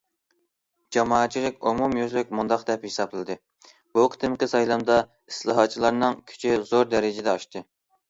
جامائەتچىلىك ئومۇميۈزلۈك مۇنداق دەپ ھېسابلىدى: بۇ قېتىمقى سايلامدا ئىسلاھاتچىلارنىڭ كۈچى زور دەرىجىدە ئاشتى.